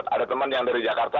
ada teman yang dari jakarta